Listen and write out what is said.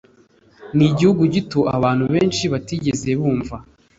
Ni igihugu gito abantu benshi batigeze bumva